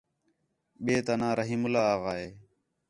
ٻئے تا ناں رحیم اللہ آغا ہے